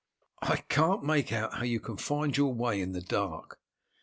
"I can't make out how you can find your way in the dark."